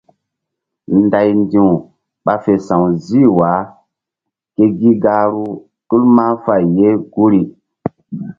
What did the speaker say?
Nday ndi̧w ɓa fe sa̧w zih wa ke gi gahru tul mahfay ye guri.